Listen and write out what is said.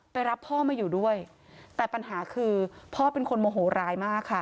รับพ่อมาอยู่ด้วยแต่ปัญหาคือพ่อเป็นคนโมโหร้ายมากค่ะ